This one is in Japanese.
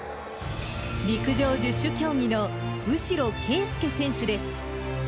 陸上十種競技の、右代啓祐選手です。